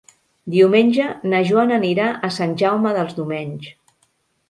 Diumenge na Joana anirà a Sant Jaume dels Domenys.